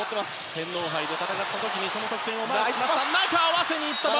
天皇杯で戦った時その得点をマークしました。